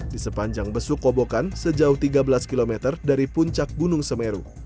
di sepanjang besuk kobokan sejauh tiga belas km dari puncak gunung semeru